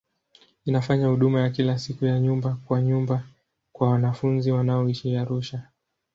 Inafanya huduma ya kila siku ya nyumba kwa nyumba kwa wanafunzi wanaoishi Arusha.